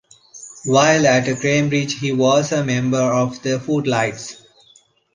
While at Cambridge he was a member of the Footlights.